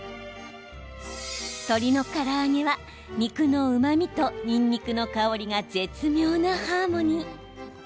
鶏のから揚げは肉のうまみとにんにくの香りが絶妙なハーモニー。